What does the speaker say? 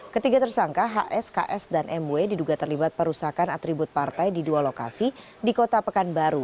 ketiga tersangka hs ks dan mw diduga terlibat perusakan atribut partai di dua lokasi di kota pekanbaru